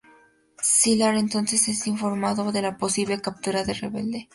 Sylar entonces es informado de la posible captura de Rebelde.